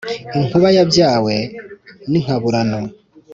inkuba yabyawe n' inkaburano